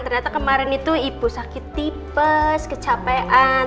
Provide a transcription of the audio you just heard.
ternyata kemarin itu ibu sakit tipes kecapean